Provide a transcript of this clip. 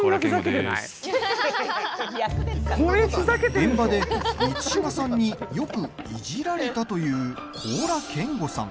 現場で満島さんによくいじられたという高良健吾さん。